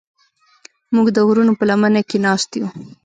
موږ د غرونو په لمنه کې ناست یو.